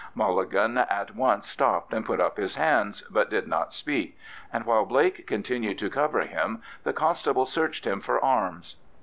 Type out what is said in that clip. Mulligan at once stopped and put up his hands, but did not speak, and while Blake continued to cover him, the constable searched him for arms.